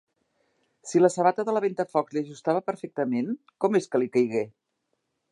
Si la sabata de la Ventafocs li ajustava perfectament, com és que li caigué...?